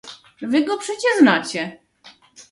"Wy go przecie znacie."